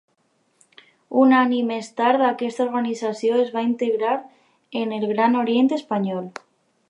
Un any més tard aquesta organització es va integrar en el Gran Orient Espanyol.